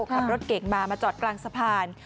ขับรถเก่งมามาจอดกลางสะพาน